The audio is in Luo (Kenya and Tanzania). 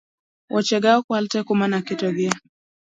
Woche ga okwal tee kuma ne aketo gi